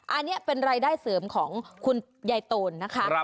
อันนี้เป็นรายได้เสริมของคุณยายตูนนะคะ